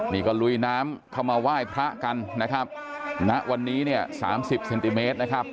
นี่ก็ลุยน้ำเข้ามาไหว้พระกันนะครับณวันนี้เนี่ย๓๐เซนติเมตรนะครับ